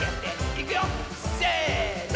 いくよせの！